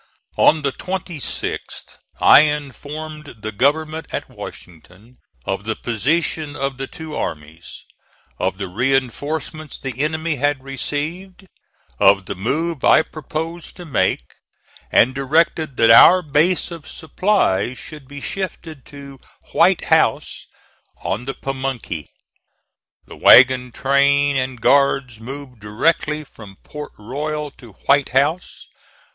On the 26th I informed the government at Washington of the position of the two armies; of the reinforcements the enemy had received; of the move I proposed to make (*32); and directed that our base of supplies should be shifted to White House, on the Pamunkey. The wagon train and guards moved directly from Port Royal to White House.